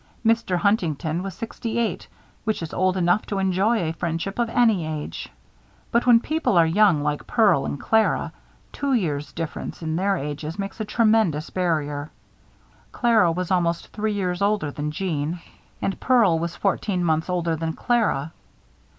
Mr. Huntington was sixty eight, which is old enough to enjoy a friendship of any age. But when people are young like Pearl and Clara, two years' difference in their ages makes a tremendous barrier. Clara was almost three years older than Jeanne, and Pearl was fourteen months older than Clara.